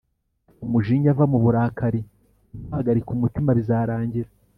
Reka umujinya va mu burakari ntuhagarike umutima bizarangira